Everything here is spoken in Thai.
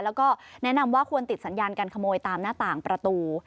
แล้วก็แนะนำว่าควรติดสัญญาการขโมยตามหน้าต่างประตู